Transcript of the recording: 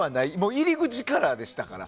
入り口からでしたから。